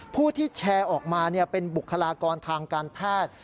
ผู้ที่แชร์ออกมาเป็นบุคลากรทางการแพทย์